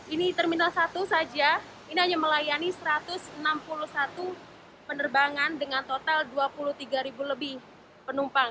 ini terminal satu saja ini hanya melayani satu ratus enam puluh satu penerbangan dengan total dua puluh tiga ribu lebih penumpang